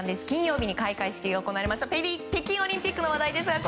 金曜日に開会式が行われました北京オリンピックの話題です。